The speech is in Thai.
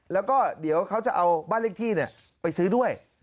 แล้วก็เดี๋ยวเขาจะเอาบ้านเลขที่ไปซื้อด้วย